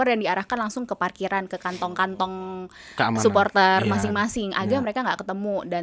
sepuluh tahun nggak hadir itu